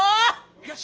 よし！